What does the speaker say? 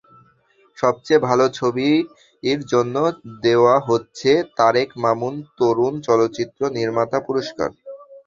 সবচেয়ে ভালো ছবির জন্য দেওয়া হচ্ছে তারেক মাসুদ তরুণ চলচ্চিত্র নির্মাতা পুরস্কার।